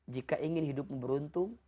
jika ingin hidup beruntung